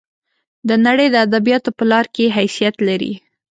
د نړۍ د ادبیاتو په لار کې حیثیت لري.